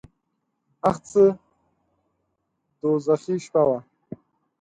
اخ څه دوږخي شپه وه .